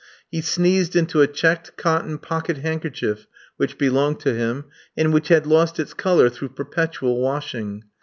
He sneezed into a checked cotton pocket handkerchief which belonged to him, and which had lost its colour through perpetual washing.